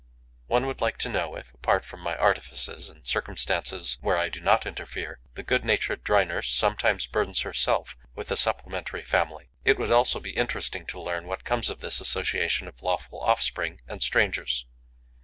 One would like to know if, apart from my artifices, in circumstances where I do not interfere, the good natured dry nurse sometimes burdens herself with a supplementary family; it would also be interesting to learn what comes of this association of lawful offspring and strangers.